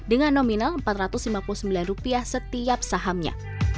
dengan nominal rp empat ratus lima puluh sembilan setiap sahamnya